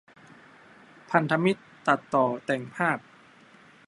พันธมิตร ตัดต่อแต่งภาพ ?